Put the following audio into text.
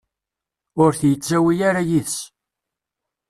Ur t-yettawi ara yid-s.